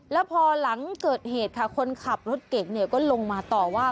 แล้วพอหลังเกิดเหตุค่ะคนขับรถเก่งก็ลงมาต่อว่า